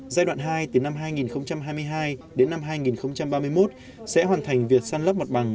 giai đoạn hai từ năm hai nghìn hai mươi hai đến năm hai nghìn ba mươi một sẽ hoàn thành việc săn lấp mặt bằng